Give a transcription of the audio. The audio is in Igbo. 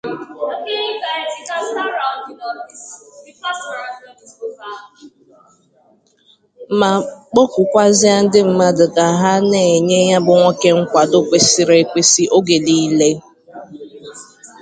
ma kpọkukwazie ndị mmadụ ka ha na-enye ya bụ nwoke nkwàdo kwesiri ekwesi oge niile